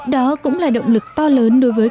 đó cũng là động lực to lớn đối với